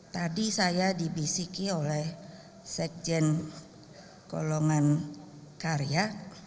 tadi saya dibisiki oleh sekjen golongan karya